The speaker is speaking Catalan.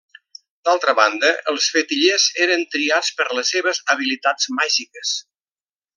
D'altra banda els fetillers eren triats per les seves habilitats màgiques.